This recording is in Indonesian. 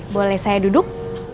boleh saya duduk